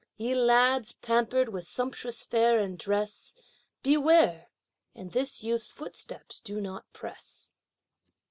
Ye lads, pampered with sumptuous fare and dress, Beware! In this youth's footsteps do not press!